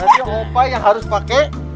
nanti yang opa yang harus pakai